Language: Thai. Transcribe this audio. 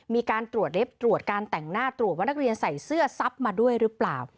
มีการตรวจเล็บตรวจการแต่งหน้าตรวจว่านักเรียนใส่เสื้อซับมาด้วยหรือเปล่า